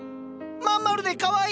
まん丸でかわいい。